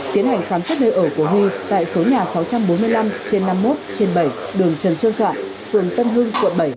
tiến hành khám xét nơi ở của huy tại số nhà sáu trăm bốn mươi năm trên năm mươi một trên bảy đường trần xuân soạn phường tân hưng quận bảy